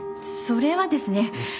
それはですね